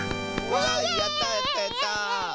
わいやったやったやった！